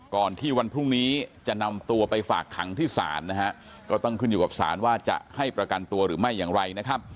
ก่อนที่วันพรุ่งนี้จะนำตัวไปฝากขังที่ศาลนะฮะก็ต้องขึ้นอยู่กับศาลว่าจะให้ประกันตัวหรือไม่อย่างไรนะครับ